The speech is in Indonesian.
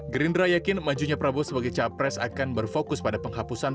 gerindra yakin majunya prabowo sebagai capres akan berfokus pada penghapusan